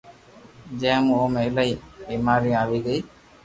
جي مون او ۾ ايلائي بآماريو آوي گئي